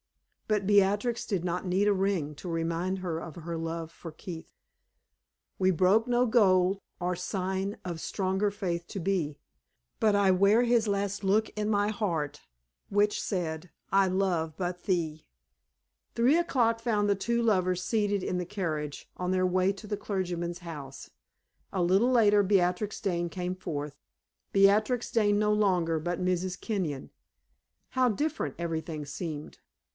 But Beatrix did not need a ring to remind her of her love for Keith. "We broke no gold or sign Of stronger faith to be; But I wear his last look in my heart, Which said, 'I love but thee!'" Three o'clock found the two lovers seated in the carriage on their way to the clergyman's house. A little later Beatrix Dane came forth, Beatrix Dane no longer, but Mrs. Kenyon. How different everything seemed!